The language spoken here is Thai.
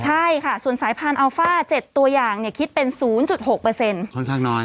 ใช่ค่ะส่วนสายพันธุ์อัลฟ่าเจ็ดตัวอย่างเนี้ยคิดเป็นศูนย์จุดหกเปอร์เซ็นต์ค่อนข้างน้อย